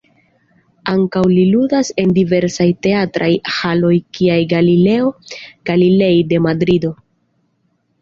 Ankaŭ li ludas en diversaj teatraj haloj kiaj Galileo Galilei de Madrido.